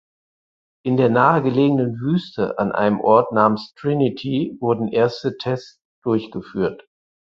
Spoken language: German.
In der nahegelegenen Wüste an einem Ort namens Trinity wurden erste Tests durchgeführt.